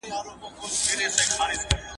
• که هر څه وږی يم، سږي نه خورم.